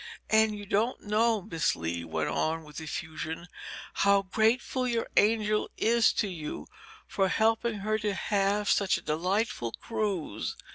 "And you don't know," Miss Lee went on with effusion, "how grateful your angel is to you for helping her to have such a delightful cruise.